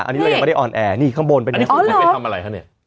อันนี้เรายังไม่ได้อ่อนแอร์นี่ข้างบนเป็นไงอ๋อเหรออันนี้คุณผู้ชมไปทำอะไรฮะเนี่ย